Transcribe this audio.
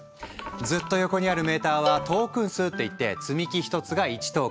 ずっと横にあるメーターはトークン数っていって積み木１つが１トークン。